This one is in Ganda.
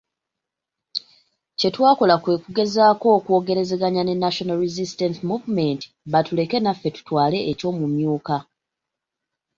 Kye twakola kwe kugezaako okwogerezeganya ne National Resistance Movement batuleke naffe tutwale eky’omumyuka.